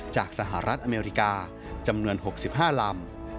สหรัฐอเมริกาจำนวน๖๕ลำ